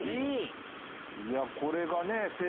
いやこれがね。